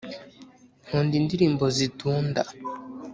nkunda indirimbo zidunda